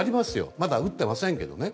まだ打ってませんけどね。